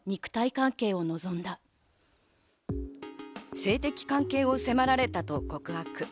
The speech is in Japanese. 性的関係を迫られたと告白。